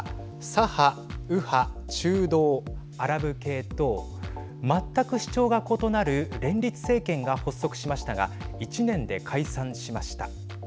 左派、右派、中道、アラブ系と全く主張が異なる連立政権が発足しましたが１年で解散しました。